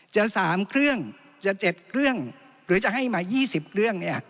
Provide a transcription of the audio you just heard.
จะสามเครื่องจะเจ็ดเครื่องหรือจะให้มายี่สิบเครื่องเนี้ย